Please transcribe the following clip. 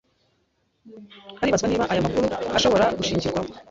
Haribazwa niba aya makuru ashobora gushingirwaho.